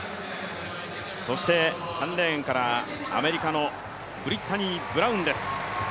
そして、３レーンからアメリカのブリッタニー・ブラウンです。